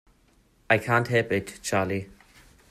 I can't help it, Charley.